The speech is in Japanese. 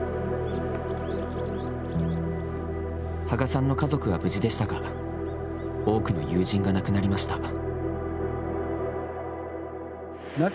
芳賀さんの家族は無事でしたが多くの友人が亡くなりました。